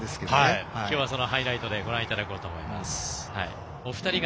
ハイライトでご覧いただこうと思います。